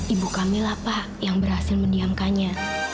ibu kamila pak yang berhasil mendiamkannya